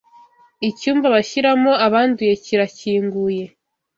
Icyumba bashyiramo abanduye kira kinguye